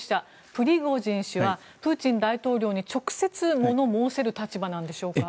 プリゴジン氏はプーチン大統領に直接、物申せる立場なんでしょうか？